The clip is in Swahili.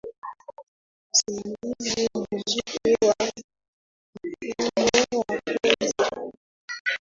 Usimamizi mzuri wa mfumo wa kodi